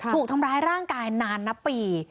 ถูกทำร้ายร่างกายนานนับปี